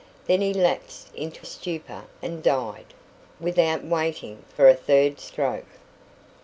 Then he lapsed into stupor and died, without waiting for a third stroke.